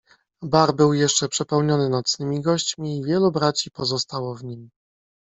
"Bar był jeszcze przepełniony nocnymi gośćmi i wielu braci pozostało w nim."